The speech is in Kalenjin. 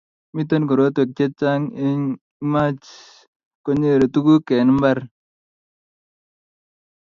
Miten korotwek che chang ce much konyere tukuk eng mbar